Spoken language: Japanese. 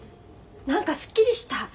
何かすっきりした。